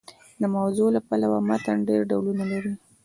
د موضوع له پلوه متن ډېر ډولونه لري.